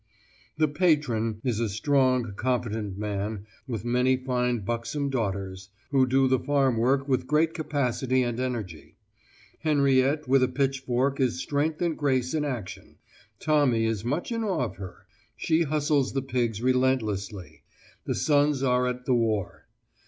The 'patron' is a strong, competent man, with many fine buxom daughters, who do the farm work with great capacity and energy. Henriette with a pitchfork is strength and grace in action. Tommy is much in awe of her. She hustles the pigs relentlessly. The sons are at the war.